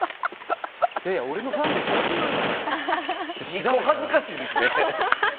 いやいや俺のファンでしょって２個恥ずかしいですね。